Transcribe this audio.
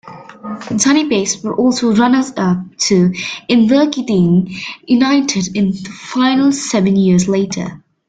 Dunipace were also runners-up to Inverkeithing United in the final seven years later.